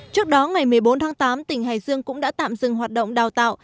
trước đó ngày một mươi bốn tháng tám tỉnh hải dương cũng đã tạm dừng hoạt động đào tạo